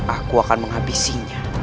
aku akan menghabisinya